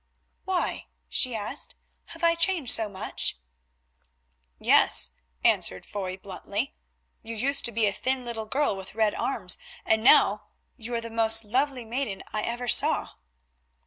"Why?" she asked, "have I changed so much?" "Yes," Foy answered bluntly, "you used to be a thin little girl with red arms, and now you are the most lovely maiden I ever saw."